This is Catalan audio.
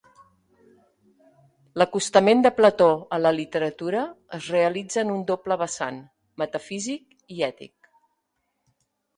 L'acostament de Plató a la literatura es realitza en un doble vessant: metafísic i ètic.